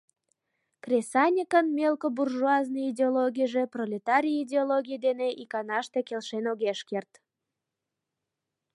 Кресаньыкын мелко-буржуазный идеологийже пролетарий идеологий дене иканаште келшен огеш керт...